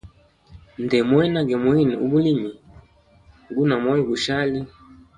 Ndemwena ge mwine u bulimi, guna moyo gushali.